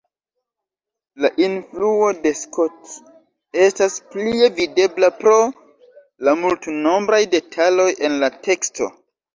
La influo de Scott estas plie videbla pro la multnombraj detaloj en la teksto.